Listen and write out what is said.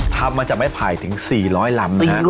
ทำมาจะไม้ไผ่ถึง๔๐๐ลำนะครับ